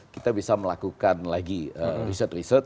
kita bisa melakukan lagi riset riset